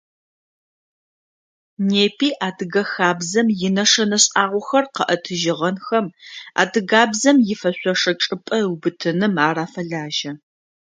Непи адыгэ хабзэм инэшэнэ шӏагъохэр къэӏэтыжьыгъэнхэм, адыгабзэм ифэшъошэ чӏыпӏэ ыубытыным ар афэлажьэ.